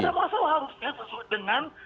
tidak masalah harusnya sesuai dengan